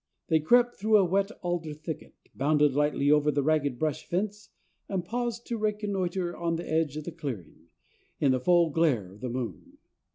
They crept through a wet alder thicket, bounded lightly over the ragged brush fence, and paused to reconnoitre on the edge of the clearing, in the full glare of the moon.